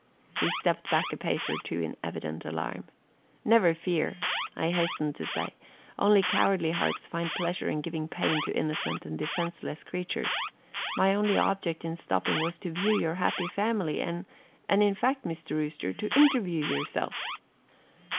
He stepped back a pace or two in evident alarm. "Never fear," I hastened to say. "Only cowardly hearts find pleasure in giving pain to innocent and defenseless creatures. My only object in stopping was to view your happy family and and in fact, Mr. Rooster, to interview yourself."